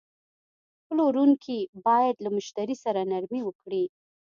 پلورونکی باید له مشتری سره نرمي وکړي.